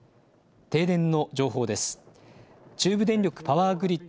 停電の情報です。